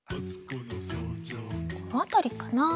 このあたりかな？